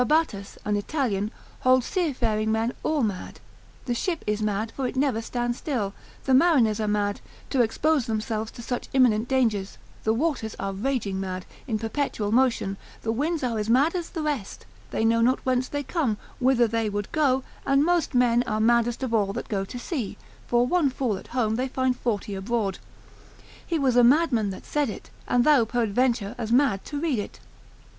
Fabatus, an Italian, holds seafaring men all mad; the ship is mad, for it never stands still; the mariners are mad, to expose themselves to such imminent dangers: the waters are raging mad, in perpetual motion: the winds are as mad as the rest, they know not whence they come, whither they would go: and those men are maddest of all that go to sea; for one fool at home, they find forty abroad. He was a madman that said it, and thou peradventure as mad to read it.